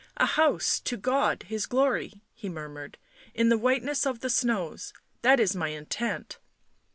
" A house to God His glory," he murmured. " In the whiteness of the snows. That is my intent."